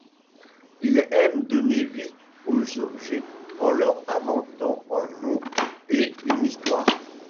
Il aime donner vie aux objets en leur inventant en nom et une histoire.